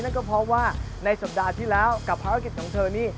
นั่นก็เพราะว่าในสัปดาห์ที่แล้วกับภารกิจของเธอนี่